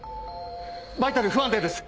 バイタル不安定です！